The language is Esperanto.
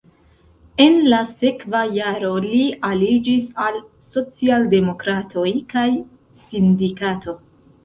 En la sekva jaro li aliĝis al socialdemokratoj kaj sindikato.